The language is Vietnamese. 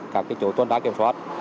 các chỗ tuân trá kiểm soát